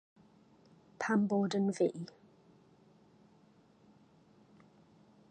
Pam bod yn fi?!